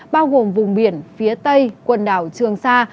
bao gồm vùng biển phía tây quần đảo trường sa